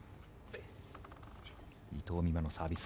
伊藤美誠のサービス。